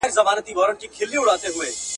که موږ ستونزې وپېژنو نو بریالي به سو.